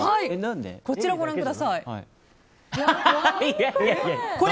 こちら、ご覧ください。